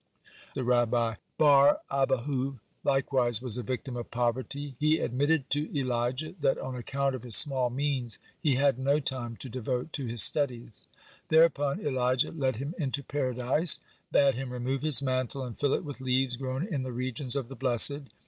(53) Rabba bar Abbahu likewise was a victim of poverty. He admitted to Elijah that on account of his small means he had no time to devote to his studies. Thereupon Elijah led him into Paradise, bade him remove his mantle, and fill it with leaves grown in the regions of the blessed.